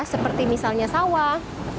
seperti misalnya sawah